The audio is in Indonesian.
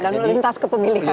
dan lintas kepemilikan juga